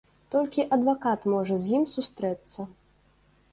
Толькі адвакат можа з ім сустрэцца.